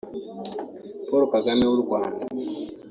Paul Kagame w’u Rwanda